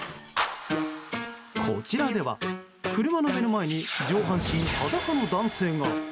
こちらでは、車の目の前に上半身裸の男性が。